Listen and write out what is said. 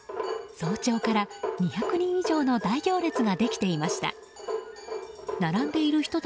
早朝から２００人以上の大行列ができていました。